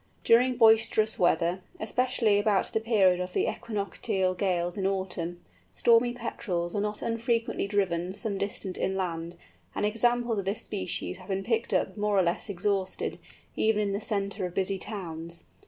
During boisterous weather, especially about the period of the equinoctial gales in autumn, Stormy Petrels are not unfrequently driven some distance inland; and examples of this species have been picked up more or less exhausted, even in the centre of busy towns.